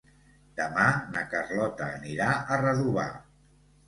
Demà na Carlota anirà a Redovà.